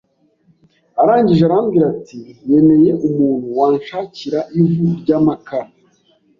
arangije arambwira ati nkeneye umuntu wanshakira ivu ry’amakara